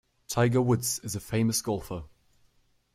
Tiger Woods is a famous golfer.